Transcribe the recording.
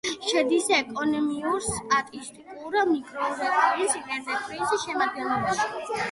შედის ეკონომიკურ-სტატისტიკურ მიკრორეგიონ იმპერატრისი შემადგენლობაში.